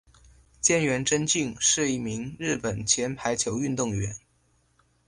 菅原贞敬是一名日本前排球运动员。